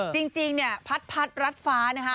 จริงเนี่ยพัดรัดฟ้านะคะ